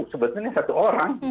sebetulnya satu orang